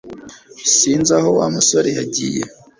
Sinzi aho Wa musore yagiye